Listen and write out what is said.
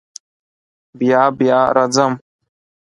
بیا بیا راځم.